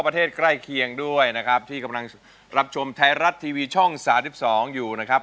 ทีวีช่อง๓๒อยู่นะครับ